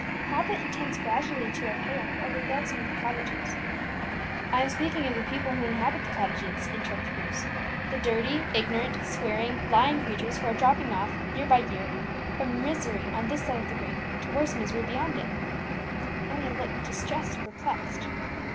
"Papa intends gradually to repair or rebuild some of the cottages." "I am speaking of the people who inhabit the cottages," interrupted Bruce; "the dirty, ignorant, swearing, lying creatures who are dropping off, year by year, from misery on this side of the grave to worse misery beyond it." Emmie looked distressed and perplexed.